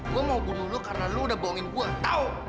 gue mau bunuh lu karena lu udah bohongin gue tau